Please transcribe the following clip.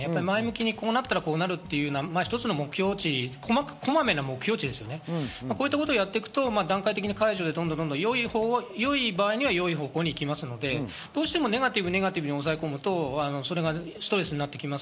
こうなったらこうなるという前向きな一つの目標値、こまめな目標値ですね、こういったことをやっていくと段階的に解除で良い場合には良い方向に行きますので、どうしてもネガティブネガティブに抑え込むとストレスになります。